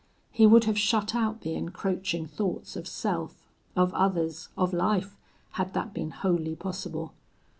He would have shut out the encroaching thoughts of self, of others, of life, had that been wholly possible.